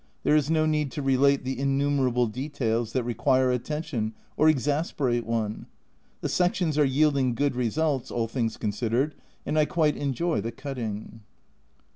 There is no need to relate the innumerable details that require attention or exasperate one the sections are yielding good results, all things considered, and I quite enjoy the cutting.